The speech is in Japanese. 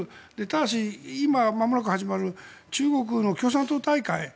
ただし、今、まもなく始まる中国の共産党大会。